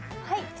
はい。